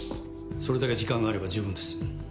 それだけ時間があれば十分です。